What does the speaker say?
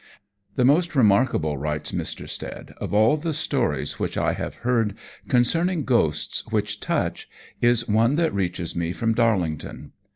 "The most remarkable," writes Mr. Stead, "of all the stories which I have heard concerning ghosts which touch is one that reaches me from Darlington.